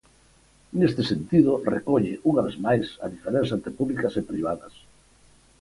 Neste sentido, recolle, unha vez máis, a diferenza entre públicas e privadas.